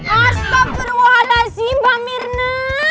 astaghfirullahaladzim mbak mirna